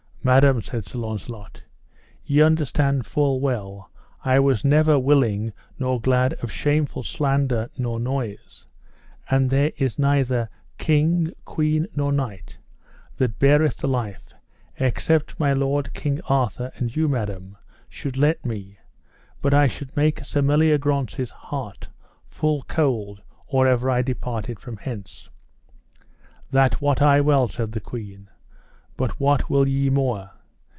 Madam, said Sir Launcelot, ye understand full well I was never willing nor glad of shameful slander nor noise; and there is neither king, queen, nor knight, that beareth the life, except my lord King Arthur, and you, madam, should let me, but I should make Sir Meliagrance's heart full cold or ever I departed from hence. That wot I well, said the queen, but what will ye more?